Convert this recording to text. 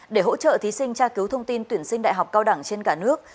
để hỗ trợ thí sinh tra cứu thông tin tuyển sinh đại học cao đẳng trên cả nước